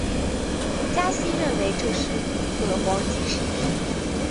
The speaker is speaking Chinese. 加西认为这是个黄金时机。